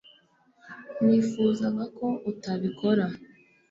nifuzaga ko utabikora